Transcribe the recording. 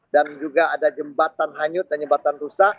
dan juga ada jembatan hanyut dan jembatan rusak